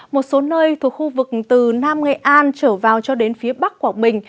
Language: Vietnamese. một số nơi thuộc khu vực từ nam nghệ an trở vào cho đến phía bắc quảng bình